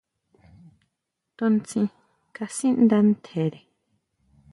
Tunsin kasindá tjere.